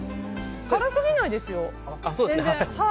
辛すぎないですよ、全然。